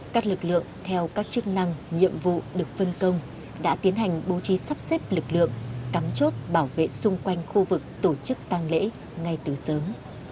các lực lượng theo các chức năng nhiệm vụ được phân công đã tiến hành bố trí sắp xếp lực lượng cắm chốt bảo vệ xung quanh khu vực tổ chức tăng lễ ngay từ sớm